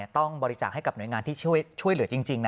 ต้องบริจาคให้กับหน่วยงานที่ช่วยเหลือจริง